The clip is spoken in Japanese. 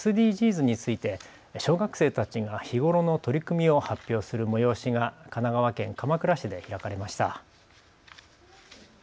・ＳＤＧｓについて小学生たちが日頃の取り組みを発表する催しが神奈川県鎌倉市で開かれました。